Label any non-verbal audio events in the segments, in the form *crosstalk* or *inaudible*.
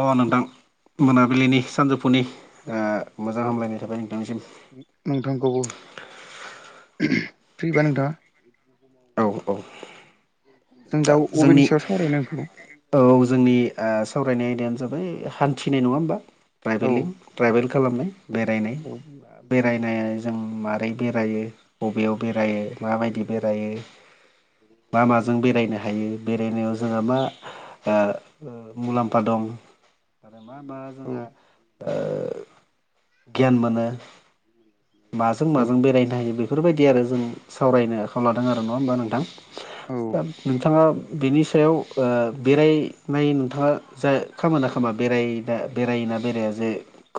अ नोंथां मोनाबिलिनि सानजौफुनि ओ मोजां हामलायनि थाखाय नोंथांनिसिम नोंथांखौबो फ्रिबा नोंथांङा औ औ जों दा अबेनि जोंनि सायाव सावरायनो आंखौ औ जोंनि ओ सावरायनाय आयदायानो जाबाय हान्थिनाय नङा होमबा औ ट्राइभेलिं ट्राइभेल खालामनाय बेरायनाय बेरायनाया जों मारै बेरायो बबेयाव बेरायो माबायदि बेरायो मा माजों बेरायनो हायो बेरायनायाव जोंहा मा ओ मुलाम्फा दं आरो मा मा औ जोंहा ओ गियान मोनो। माजों औ माजों बेरायनो हायो बेफोरबायदि आरो जों सावरायनो आखायाव लादों आरो नङा हबा नोंथां औ दा नोंथांङा बिनि सायाव बेरायनाय नोंथाङा जा खामोना खामा बेराय दा बेरायोना बेराया जे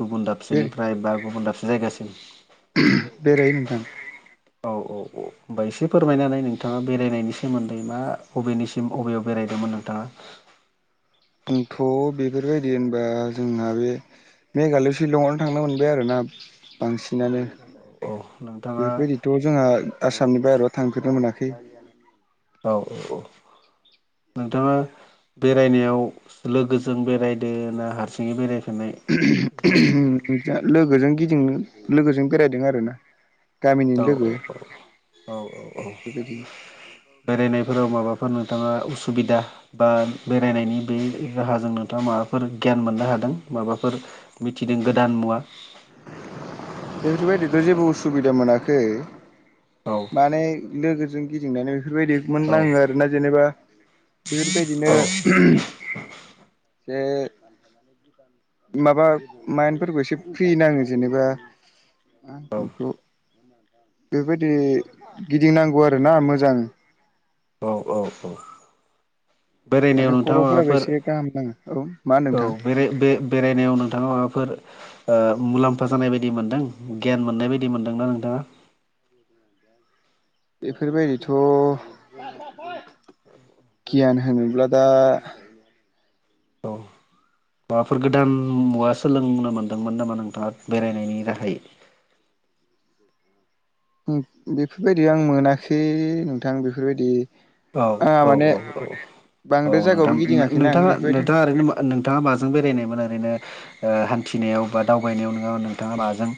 गुबुन बे दाबसेनिफ्राय बा गुबुन दाबसे जायगासिम बेरायो नोंथां औ औ औ बायसे फोरमायनानै नोंथाङा बेरायनायनि सोमोन्दै मा बबेनिसिम बबेयाव बेरायदोंमोन नोंथाङा आंथ' बेफोरबायदि होनबा जोंहा बे मेघालय शिलंआवनो थांनो मोनबाय आरोना बांसिनानो औ नोंथाङा बेफोरबायदिथ' जोंहा आसामनि बाहेरा थांफेरनो मोनाखै औ औ औ नोंथाङा बेरायनायाव लोगोजों बेरायदों ना हारसिङै बेरायफेरनाय बेफोरबायदि *unintelligible* जा लोगोजों गिदिं लोगोजों बेरायदों आरोना गामिनि औ लोगो औ औ बेबायदि बेरायनायफोराव माबाफोर नोंथाङा उसुबिदा बा बेरायनायनि बे राहाजोंनोथ' माबाफोर गियान मोननो हादों माबाफोर मिथिदों गोदान मुवा बेफोरबायदिथ' जेबो उसुबिदा मोनाखै औ माने लोगोजों गिदिंनानै बेफोरबायदि मोन औ नाङो आरोना जेनेबा बेफोरबायदिनो ओ माबा माइन्दफोरखौ एसे फ्रि नांङो जेनेबा *unintelligible* औ बेखौ बेबायदि गिदिंनांगौ आरो ना मोजां औ औ औ बेरायनायाव माने नोंथाङा खर'फोराबो माबाफोर एसे गाहाम नाङो औ मा होनो औ नोंथां बेराय बे बेरायनायाव नोंथाङा माबाफोर ओ मुलाम्फा जानाय बायदि मोनदों गियान मोननाय बायदि मोनदोंना नोंथाङा *inaudible* बेफोरबायदिथ' गियान होनोब्ला दा औ *inaudible* माबाफोर गोदान मुवा सोलोंनो मोन्दोंमोन नामा नोंथाङा बेरायनायनि राहायै बेफोरबायदि आं मोनाखै नोंथां बेफोरबायदि औ आंहा औ माने औ औ औ बांद्राय नोंथां जायगायावबो गिदिङाखैना आं नोंथाङा बेफोरबायदि नोंथाङा ओरैनो नोंथाङा माजों बेरायनायमोन ओरैनो ओ हान्थिनायाव बा दावबायनायाव नोंङो नोंथाङा माजों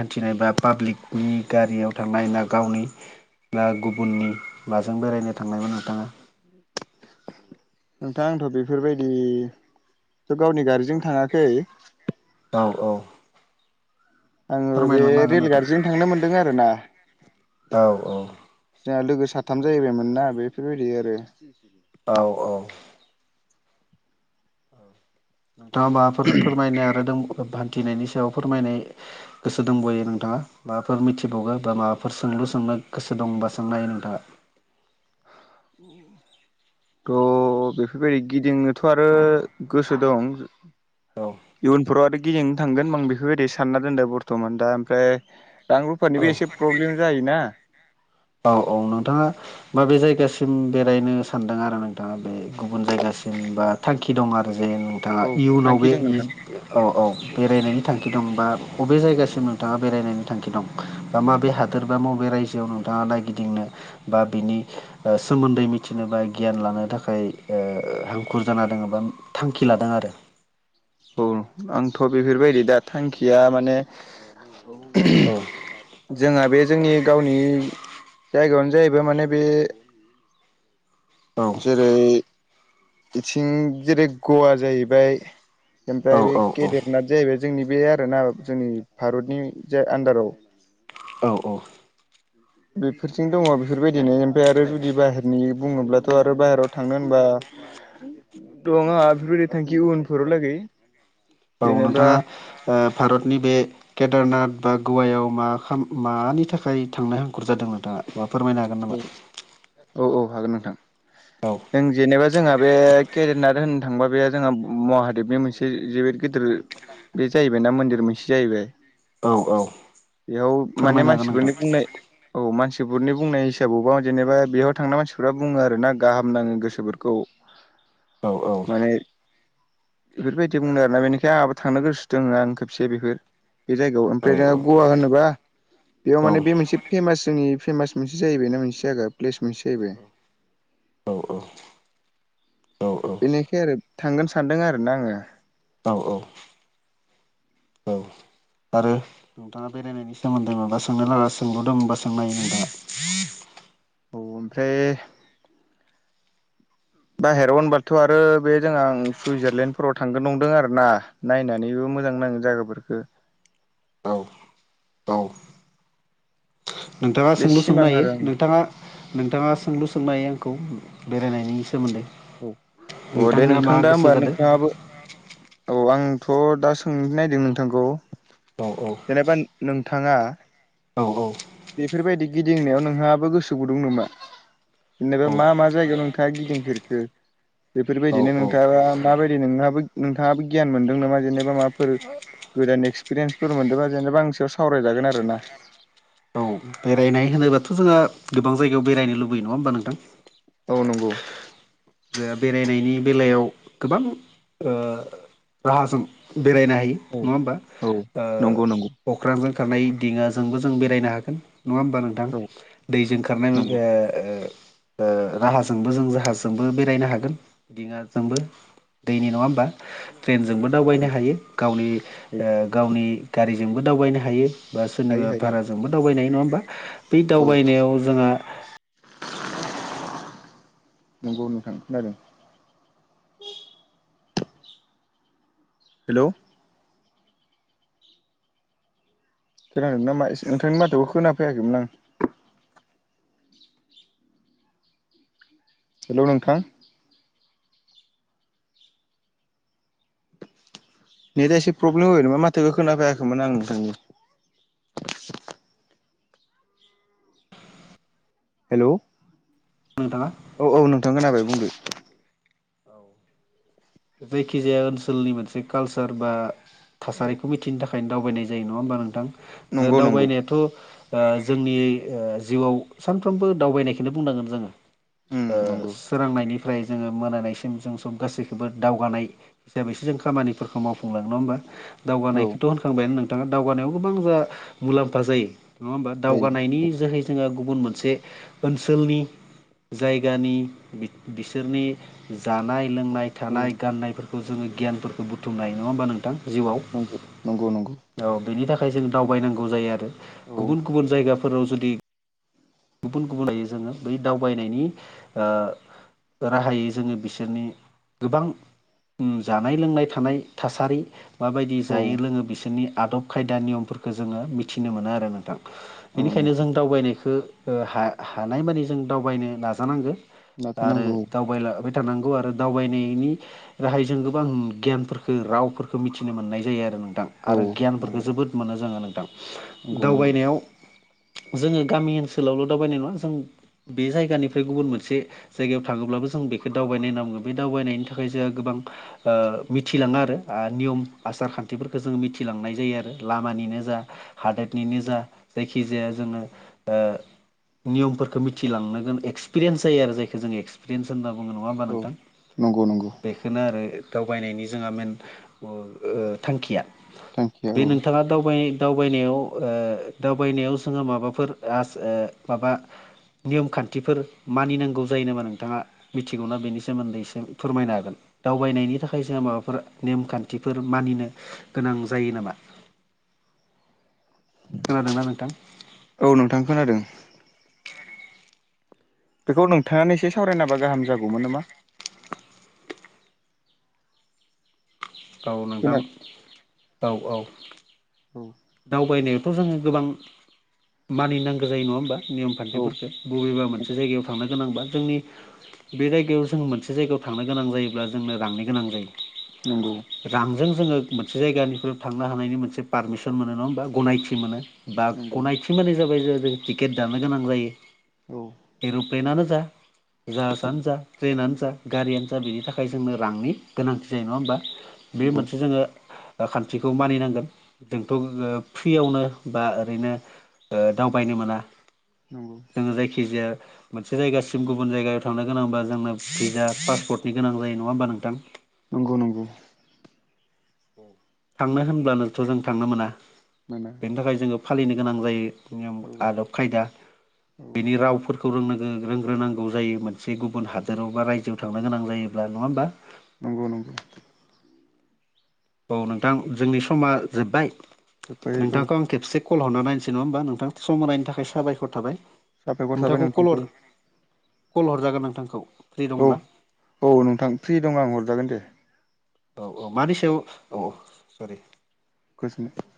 हान्थिनाय बा पाब्लिकनि गारियाव थांनाय ना गावनि ना गुबुननि जों बेरायनो थांनायमोन नोंथांङा नोंथां आंथ' बेफोरबायदि थ' गावनि गारिजों थांङाखै औ औ आङो बे फोरमायलांनो हागोन नोंथां रेलगारिजों थांनो मोनदों आरो ना औ औ जोंहा लोगो साथाम जाहैबायमोन ना बेफोरबायदि आरो औ औ नोंथाङा माबाफोर फोरमायनाय आरो हान्थिनायनि सायाव फोरमायनाय गोसो दंबावयो नोंथाङा माबाफोर मिथिबावगो बा माबाफोर सोंलु सोंनो गोसो दंबा सोंनो हायो नोंथाङा *inaudible* थ' बेफोरबायदि गिदिंनोथ' आरो गोसो दं औ इयुनफोराव आरो गिदिंनो थांगोन आं बेफोरबायदि सानना दोनदो बरत'मान दा ओमफ्राय रां औ रुफानिबो एसे प्रब्लेम जायोना औ औ नोंथाङा माबे जायगासिम बेरायनो सानदों आरो नोंथाङा बे गुबुन जायगासिम बा थांखि दं आरो जे नोंथाङा औ इयुनाव थांखि बे दं नोंथां औ औ बेरायनायनि थांखि दं बा बबे जायगासिम नों थाङा बेरायनायनि थांखि दं? बा माबे हादोर बा बबे रायजोआव नोंथाङा नायगिदिंनो बा बिनि ओ सोमोन्दै मिथिनो बा गियान लानो थाखाय ओ हांखुर जाना दङ' बा थांखि लादों आरो। औ आंथ' बेफोरबायदि दा थांखिया माने औ जोंहा बे जोंनि गावनि जायगायावनो जाहैबाय माने बे औ। जेरै बिथिं जेरै गवा जाहैबाय औ ओमफ्राय बे औ औ केदेतनाथ जाहैबाय जोंनि बे आरोना जोंनि भारतनि जे आन्दाराव। औ औ। बेफोरथि दङ बेफोरबायदिनो ओमफ्राय आरो जुदि बाहेरनि बुङोब्लाथ' आरो बाहेरायाव थांनो होनबा दङ' आंहा बेफोरबायदि थांखि उनफोरावलागै। औ नोंथाङा ओ भारतनि बे केदारनाथ बा गवायाव मा खा मानि थाखाय थांनाय हांखुर जादों नोंथाङा बा फोरमायना हो? औ औ औ हागोन नोंथां। औ। जों जेनेबा जोंहा बे केदेरनाथ होननो थांबा बे जोंहा मवादेबनि मोनसे जोबोद गिदिर बे जाहैबाय ना मन्दिर मोनसे जाहैबाय। औ औ बेयाव माने फोरमायनो हागोन नोंथां मानसिफोरनि बुंनाय औ मानसिफोरनि बुंनाय हिसाबावबा जेनेबा बेयाव थांना मानसिफ्रा बुङो आरोना गाहाम नाङो गोसोफोरखौ। औ माने बेफोरबायदि बुंदों आरोना बेनिखाय आंहाबो थांनो गोसो दोङो आं खेबसे बेखो बे जायगायाव। औ ओमफ्राय जों औ गवा होनोबा बेयाव औ माने बे मोनसे फेमास जोंनि फेमास जाहैबाय ना मोनसे जागा प्लेस मोनसे जाहैबाय। औ औ। बेनिखाय आरो थांगोन सानदों आरो ना आङो। औ औ। औ आरो नोंथाङा बेरायनायनि सोमोन्दै माबा सोंनो लागा सोंलु दोंंबा सोंनो हायो नोंथाङा। औ ओमफ्राय बाहेराव होनबाथ' आरो बे जोंहा उम सुइजारलेण्डफोराव थांगोन नंदों आरो ना। नायनानैबो मोजां नाङो जागाफोरखो। औ औ नोंथाङा बे सोंलु सिमां सोंनो हायो आरो आंनि नोंथाङा नोंथाङा सोंलु सोंनो हायो आंखौ बेरायनायनि सोमोन्दै। औ अ दे नोंथाङा मा नोंथां दा गोसो होमबा जादों नोंथाङाबो औ आंथ' दा सोंनो नायदो नोंथांखौ औ औ जेनेबा नोंथाङा औ औ। बेफोरबायदि गिदिंनायाव नोंहाबो गोसो गुदुं नामा? जेनेबा औ मा मा जायगायाव नोंथाङा गिदिंफेरखो? औ बेफोरबायदिनो औ नोंथाङा माबायदि नोहाबो नोंथाङाबो गियान मोनदों नामा जेनेबा माबाफोर गोदान एक्सपिरियेन्सफोर मोनदोंबा जेनेबा आंनि सायाव सावरायजागोन आरो ना। औ बेरायनाय होनोबाथ जोङो गोबां जायगायाव बेरायनो लुबैयो नङा होमबा नोंथां? औ नंगौ। जे बेरायनायनि बेलायाव गोबां ओ राहाजों बेरायनो हायो औ नङा होमबा औ नंगौ नंगौ ओ अख्रांजों खारनाय दिङाजोंबो जों बेरायनो हागोन नङा होमबा नों थां? दैजों खारनाय नंगौ ओ ओ राहाजोंबो जाहाज जों बेरायनो हागोन दिङा जोंबो दैनि नङा होमबा? ट्रेनजोंबो दावबायनो हायो गावनि ओ गावनि गारिजोंबो दावबायनो हायो। बा हायो सोरनिबा हायो भाराजोंबो दावबायनो हायो नङा होमबा? बै औ दावबायनायाव जोङा नंगौ नोंथां खोनादों। हेल खोनादों नामा नोंथांनि माथोखौ खोनाफायाखैमोन आं। हेल नोंथां। नेटआ एसे प्रब्लेम होबय नामा माथो खोनाफैयाखैमोन आं नोंथांनि। हेल नथाङा औ औ नोंथां खोनाबाय बुंदो। औ जायखिजाया ओनसोलनि मोनसे कालचार बा थासारिखौ मिथि खाथिनि थाखायनो दावबायनाय जायो नङा होमबा नोंथां जे नंगौ नंगौ दावबायनायाथ। जोंनि जिउआव सानफ्रोमबो दावबायनायखौनो बुंनांगोन जोङो। उम नंगौ ओ-सोरांनायनिफ्राय जोङो मोनानाय। म जों गासैखौबो दावगानाय हिसाबैसो जों खामानिफोरखौ मावफुंलांनांगोन। औ दावगानायखौथ होनखांबायानो नोंथाङा दावगानायाव गोबां जा मुलाम्फा जायो। नङा होमबा जायो दावगानायनि जोहै। जोंहा गुबुन मोनसे ओनसोलनि जायगानि बिसोरनि। जानाय लोंनाय औ थानाय गाननायफोरखौ जोङो गियानफोरखौ बुथुमनाय नङा होमबा नोंथां जिउआव। नंगौ नंगौ नंगौ औ बेनि थाखाय जों दावबायनांगौ जायो आरो औ गुबुन गुबुन जायगाफोराव जुदि। गुबुन गुबुन लायो जोङो बै दावबायनायनि ओ राहायै जोङो बिसोरनि गोबां। जानाय लोंनाय थानाय थासारि माबायदि औ जायो लोङो बिसोरनि आदब खायदा नियमफोरखौ जोङो मिथिनो मोनो आरो नोंथां। औ बेनिखायनो नंगौ जों दावबायनायखो हा-हानायमानि जों दावबायनो नाजानांगो। आरो नाजानांगौ दावबायलबाय थानांगौ आरो दावबायनायनि। राहायजों गोबां गियानफोरखौ रावफोरखौ मिथिनो मोननाय जायो आरो नों मां औ आरो गियफोरखौ नंगौ जोबोद मोनो जोङो नोंथां नंगौ नंगौ दावबायनायाव। जोङो गामि ओनसोलावल दावबायनाय नङा जों बे जायगानिफ्राय गुबुन मोनसे। जायगायाव थाङोब्लाबो जों बेखौ दावबायनो नामौ बे दावबायनायनि थाखाय जोंहा गोबां। ओ-मिथिलाङा आरो नियम आसार खान्थिफोरखौ जोङो मिथिलांनाय जायो आरो लामानिनो जा हादोरनिनो जा जायखिजाया जोङो ओ नियमफोरखौ मिथिलांनोांगोन एक्सपिरियेन्स जायो आरो जायखौ जों एक्सपिरियेन्स होनना बुङो नङा होमबा औ नोंथां नंगौ नंगौ बेखौनो आरो। दावबायनायनि जोंहा मेन थांखिया थांखिया बे औ नोंथाङा दावबाय दावबायनायाव ओ-जोङो माबाफोर आस-माबा। नियम खान्थिफोर मानिनांगौ जायो नामा नोंथाङा मिथिगौना बेनि सोमोन्दै एसे फोरमायनो हागोन। दावबायनायनि थाखाय जोंहा माबाफोर नेमखान्थिफोर मानिनो गोनां जायो नामा? खोनादोंना नोंथां? औ नोंथां खोनादों। बेखौ नोंथाङानो एसे सावरायनाबा गाहाम जागौमोन नामा? औ नोंथां खोना औ औ। औ दावबायनायावथ जोङो गोबां मानिनांगौ जायो नङा होमबा। नियम औ खान्थिफोरखौ बबेबा मोनसे जायगायाव थांनो गोनांबा जोंनि। बे जायगायाव जों मोनसे जायगायाव थांनो गोनां जायोब्ला जोंनो रांनो गोनां जायो। नंगौ रांजों जोङो मोनसे जायगानिफ्राय थांनो हानायनि मोनसे पारमिसन मोनो नङा होमबा गनायथि मोनो। बा नंगौ गनायथि मानि जाबाय जों जों टिकेट दानो गोनां जायो। औ एरप्लेनानो जा जाहसानो जा। ट्रेनानो जा गारियानो जा बेनि थाखाय जोंनो रांनि गोनांथि जायो नङा होमबा। बे नंगौ मोनसे जोङो खान्थिखौ मानिनांगोन जोंथ' फ्रियावनो बा ओरैनो दावबायनो मोना नंगौ जोङो जायखिजाया मोनसे जायगासिम गुबुन जायगायाव थांनो गोनांबा जोंनो भिजा पासपर्टनि गोनां जायो नङा होमबा नोंथां? नंगौ नंगौ। थांनो होनब्लानोथ' जों थांनो मोना मोना। बेनि थाखाय जोङो फालिनो गोनां जायो औ आदब खायदा औ बेनि रावफोर खौ रोंनांगो रोंग्रोनांगौ जायो मोनसे गुबुन हादोराव बा रायजोआव थांनो गोनां जायोब्ला नङा होमबा? नंगौ नंगौ। औ नोंथां जोंनि समा जोब्बाय जोबोरै औ नोंथांखौ आं खेबसे कल हरना नायनोसै नङा होमबा नोंथां समावानायनि थाखाय साबायखर थाबाय। साबायखर थाबाय नोंथांखौ कल हर कल हरजागोन नोंथांखौ फ्रि औ दंब्ला औ नोंथां फ्रि दं आं हरजागोन दे। औ औ मानि सायाव औ औ सरि गोजोननाय